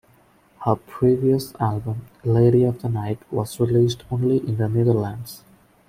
Her previous album "Lady of the Night" was released only in the Netherlands.